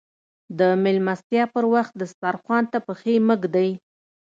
د ميلمستيا پر وخت دسترخوان ته پښې مه ږدئ.